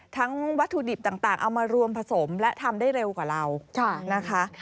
วัตถุดิบต่างเอามารวมผสมและทำได้เร็วกว่าเรานะคะ